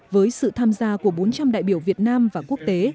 với sự tham gia của bốn trăm linh đại biểu việt nam và quốc tế